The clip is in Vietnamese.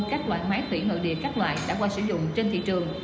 các loại máy thủy nội địa các loại đã qua sử dụng trên thị trường